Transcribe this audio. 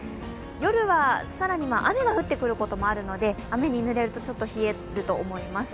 夜は更に雨が降ってくることもあるので雨にぬれるとちょっと冷えると思います。